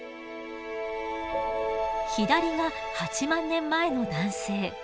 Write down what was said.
左が８万年前の男性。